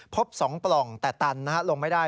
พบ๒ปล่องแต่ตันลงไม่ได้